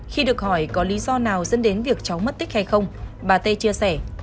khi được hỏi có lý do nào dẫn đến việc cháu mất tích hay không bà tê chia sẻ